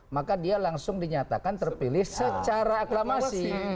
maka dia langsung dinyatakan terpilih secara aklamasi